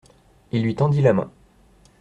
Il lui tendit la main.